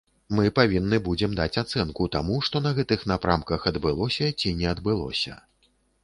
Мы павінны будзем даць ацэнку таму, што на гэтых напрамках адбылося ці не адбылося.